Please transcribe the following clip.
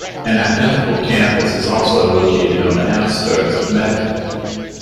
An identical campus is also located on the outskirts of Mecca.